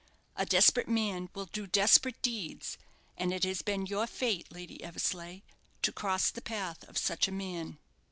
A desperate man will do desperate deeds; and it has been your fate, Lady Eversleigh, to cross the path of such a man."